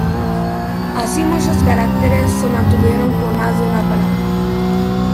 Así muchos caracteres se mantuvieron por más de una palabra.